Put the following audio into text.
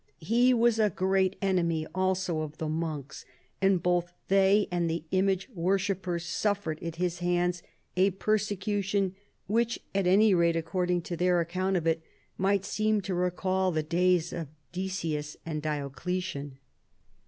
He was a great enemy also of the monks, and both they and the image worshippers suffered at his hands a persecution which (at any rate according to their account of it) might seem to recall the days of Decius and Diocletian.